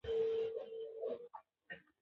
اداري محکمې د عامه ګټو ساتنه کوي.